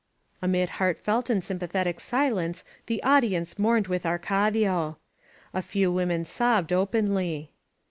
••.'' Amid heartfelt and sympathetic silence the audi ence mourned with Arcadio. A few women sobbed openly.